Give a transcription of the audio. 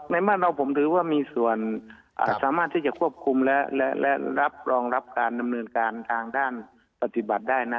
บ้านเราผมถือว่ามีส่วนสามารถที่จะควบคุมและรับรองรับการดำเนินการทางด้านปฏิบัติได้นะ